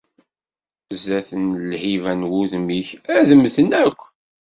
Sdat n lhiba n wudem-ik, ad mmten akk.